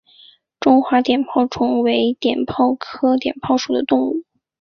中华碘泡虫为碘泡科碘泡虫属的动物。